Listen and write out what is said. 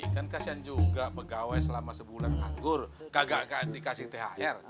kan kasihan juga pegawai selama sebulan anggur kagak dikasih thr